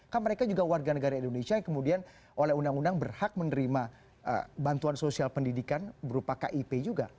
kan mereka juga warga negara indonesia yang kemudian oleh undang undang berhak menerima bantuan sosial pendidikan berupa kip juga